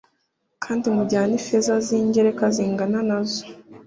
kandi mujyane ifeza z ingereka zingana na zo